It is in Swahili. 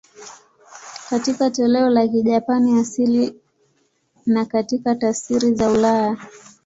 Katika toleo la Kijapani asili na katika tafsiri za ulaya.